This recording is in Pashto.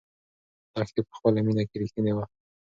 لښتې په خپله مینه کې رښتینې وه.